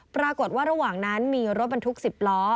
ปรากฏว่าระหว่างนั้นมีรถบรรทุก๑๐ล้อ